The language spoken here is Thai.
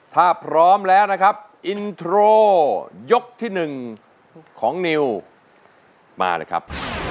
ถ้าพร้อมแล้วนะครับอินโทรยกที่๑ของนิวมาเลยครับ